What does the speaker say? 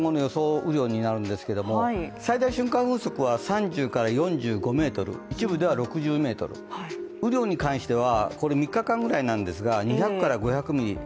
雨量になるんですが最大瞬間風速は３０４５メートル、一部では６０メートル、雨量に関してはこれ３日間ぐらいなんですが２００から５００ミリ。